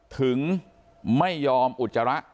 ถึงไม่ยอมอุจจาระ